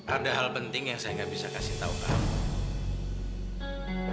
ada hal penting yang saya nggak bisa kasih tahu kamu